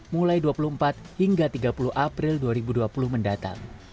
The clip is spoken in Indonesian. mulai dua puluh empat hingga tiga puluh april dua ribu dua puluh mendatang